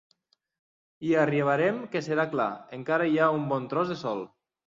Hi arribarem que serà clar: encara hi ha un bon tros de sol.